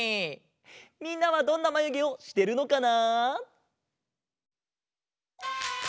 みんなはどんなまゆげをしてるのかな？